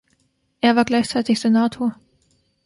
Er war gleichzeitig Senator.